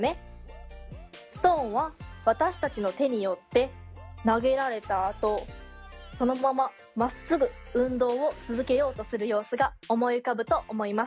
ストーンは私たちの手によって投げられたあとそのまままっすぐ運動を続けようとする様子が思い浮かぶと思います。